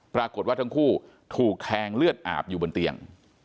ปรากฏว่าทั้งคู่ถูกแทงเลือดอาบอยู่บนเตียง